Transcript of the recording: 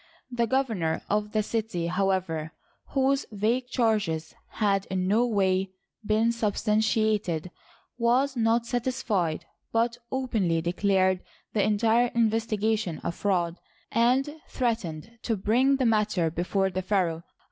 The governor of the city, however, whose vague charges had in no way been sub stantiated, was not satisfied, but openly declared the en tire investigation a fraud, and threatened to bring the matter before the pharaoh.